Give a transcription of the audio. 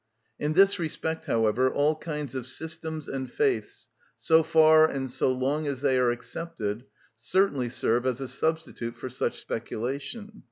In this respect, however, all kinds of systems and faiths, so far and so long as they are accepted, certainly serve as a substitute for such speculation.